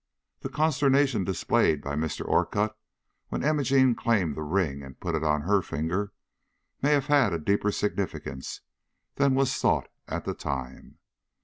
The consternation displayed by Mr. Orcutt when Imogene claimed the ring and put it on her finger may have had a deeper significance than was thought at the time.